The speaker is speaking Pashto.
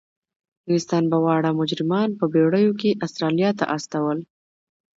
انګلستان به واړه مجرمان په بیړیو کې استرالیا ته استول.